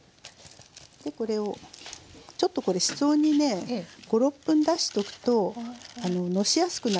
これをちょっとこれ室温にね５６分出しておくとのしやすくなるんです。